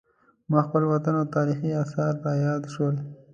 ما خپل وطن او تاریخي اثار را یاد شول.